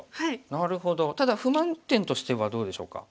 ただ不満点としてはどうでしょうか？